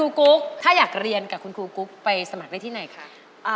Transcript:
กุ๊กถ้าอยากเรียนกับคุณครูกุ๊กไปสมัครได้ที่ไหนคะ